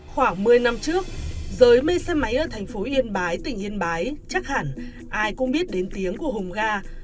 khoảng một mươi năm trước giới mây xe máy ở thành phố yên bái tỉnh yên bái chắc hẳn ai cũng biết đến tiếng của hùng ga